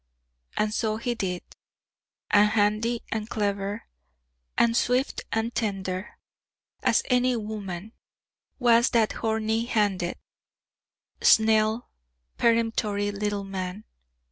And so he did; and handy and clever, and swift and tender as any woman, was that horny handed, snell, peremptory little man.